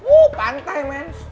oh pantai men